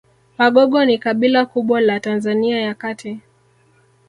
Wagogo ni kabila kubwa la Tanzania ya kati